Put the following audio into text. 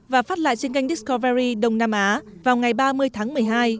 và phát lại trên kênh diskoverry đông nam á vào ngày ba mươi tháng một mươi hai